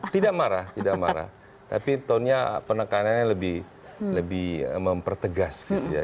tidak marah tidak marah tapi tone nya penekanannya lebih mempertegas gitu ya